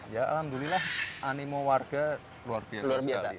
ya alhamdulillah animo warga luar biasa sekali